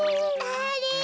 あれ。